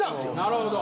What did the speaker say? なるほど。